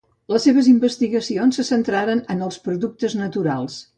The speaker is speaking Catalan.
Les seves investigacions se centraren en els productes naturals.